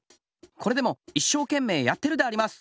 これでもいっしょうけんめいやってるであります。